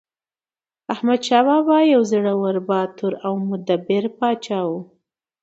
احمدشاه بابا یو زړور، باتور او مدبر پاچا و.